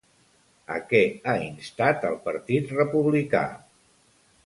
A què ha instat el partit republicà?